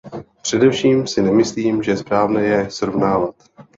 Především si nemyslím, že je správné je srovnávat.